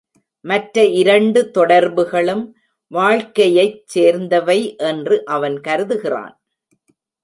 மற்ற இரண்டு தொடர்புகளும் வாழ்க்கையைச் சேர்ந்தவை என்று அவன் கருதுகிறான்.